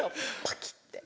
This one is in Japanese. パキって。